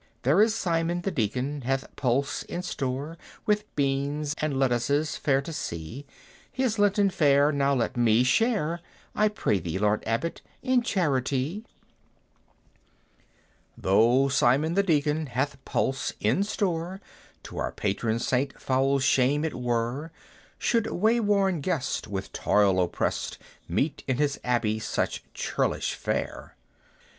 "There is Simon the Deacon hath pulse in store, With beans and lettuces fair to see: His lenten fare now let me share, I pray thee, Lord Abbot, in charitie!" "Though Simon the Deacon hath pulse in store, To our patron Saint foul shame it were Should wayworn guest, with toil oppressed, Meet in his Abbey such churlish fare.